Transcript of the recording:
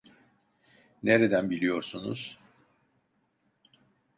Nerden biliyorsunuz?